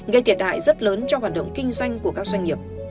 gây thiệt hại rất lớn cho hoạt động kinh doanh của các doanh nghiệp